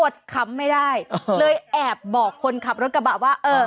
คำไม่ได้เลยแอบบอกคนขับรถกระบะว่าเออ